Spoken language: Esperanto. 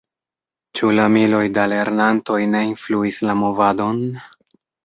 Ĉu la miloj da lernantoj ne influis la movadon?